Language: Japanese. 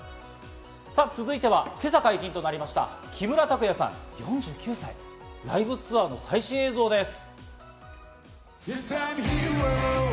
続いては、今朝解禁となりました、木村拓哉さん４９歳、ライブツアーの最新映像です。